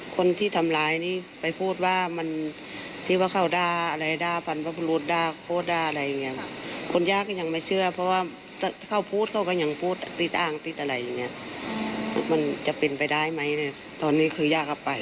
คนที่ทำร้ายนี่ไปพูดว่ามันที่ว่าเขาด้าอะไรด้าพันระบุด้าอะไรอย่างเงี้ยคนย่าก็ยังไม่เชื่อเพราะว่าเขาพูดเขาก็ยังพูดติดอ้างติดอะไรอย่างเงี้ยมันจะเป็นไปได้ไหมตอนนี้คือย่าเข้าไป